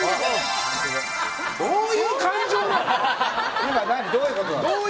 どういう感情なの？